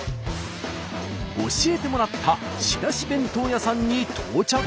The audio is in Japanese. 教えてもらった仕出し弁当屋さんに到着。